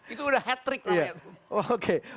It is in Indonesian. itu udah hat trick lah ya